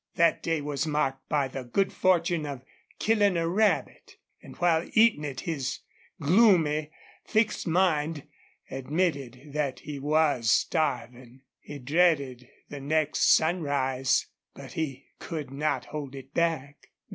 That day was marked by the good fortune of killing a rabbit, and while eating it his gloomy, fixed mind admitted that he was starving. He dreaded the next sunrise. But he could not hold it back.